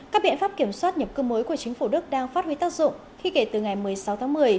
các biện pháp kiểm soát nhập cư mới của chính phủ đức đang phát huy tác dụng khi kể từ ngày một mươi sáu tháng một mươi